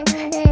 kau mau kemana